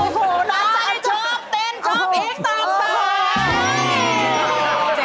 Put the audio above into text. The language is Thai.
โอ้โฮน้ำชาติชอบเต้นชอบอีกสามสาม